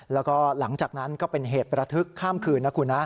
แล้วก็หลังจากนั้นก็เป็นเหตุประทึกข้ามคืนนะคุณนะ